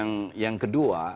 nah yang kedua